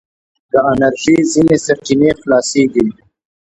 د انرژي ځينې سرچينې خلاصیږي.